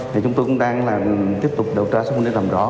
thì chúng tôi cũng đang là tiếp tục điều tra xong để làm rõ